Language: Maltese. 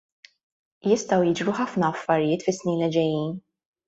Jistgħu jiġru ħafna affarijiet fis-snin li ġejjin.